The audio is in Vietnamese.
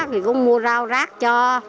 thì cũng mua rau rác cho